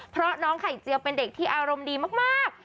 เพราะน้องไข่เจียวเป็นเด็กที่อารมณ์ดีมาก